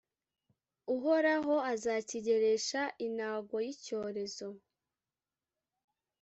Uhoraho azakigeresha inago y’icyorezo,